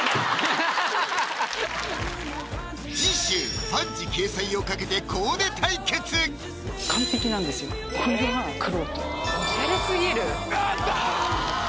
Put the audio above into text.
次週「ＦＵＤＧＥ」掲載をかけてコーデ対決やった！